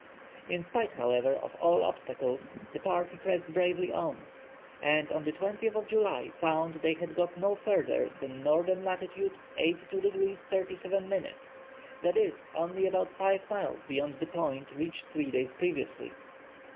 In spite, however, of all obstacles the party pressed bravely on, and on the 20th July found they had got no further than N. lat. 82 degrees 37 minutes, i.e. only about five miles beyond the point reached three days previously.